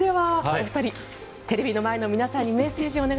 テレビの前の皆さんにメッセージを。